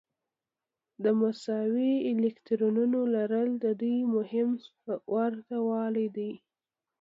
د مساوي الکترونونو لرل د دوی مهم ورته والی دی.